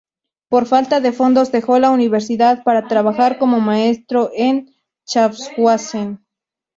Por falta de fondos dejó la universidad para trabajar como maestro en Schaffhausen.